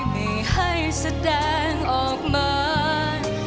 ไม่ให้แสดงออกมา